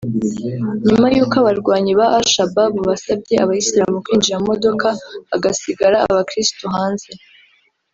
nyuma y’uko abarwanyi ba Al Shabaab basabye Abayisilamu kwinjira mu modoka hagasigara Abakirisitu hanze